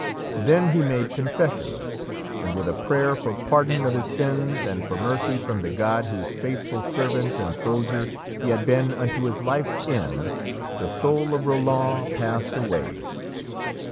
Then he made confession, and with a prayer for pardon of his sins and for mercy from the God whose faithful servant and soldier he had been unto his life's end, the soul of Roland passed away.